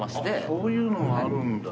そういうのがあるんだ。